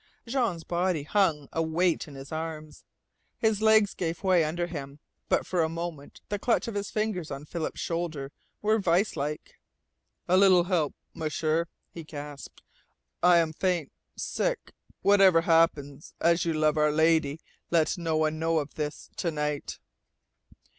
Jean's body hung a weight in his arms. His legs gave way under him, but for a moment the clutch of his fingers on Philip's shoulder were viselike. "A little help, M'sieur," he gasped. "I am faint, sick. Whatever happens, as you love Our Lady, let no one know of this to night!"